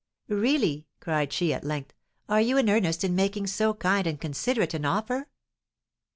"Really," cried she, at length, "are you in earnest in making so kind and considerate an offer?"